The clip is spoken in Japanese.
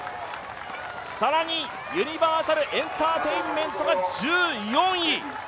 更に、ユニバーサルエンターテインメントが１４位。